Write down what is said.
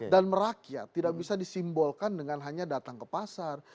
dan merakyat tidak bisa disimbolkan dengan hanya datang ke pasar